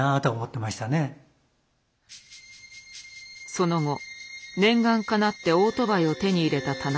その後念願かなってオートバイを手に入れた田中。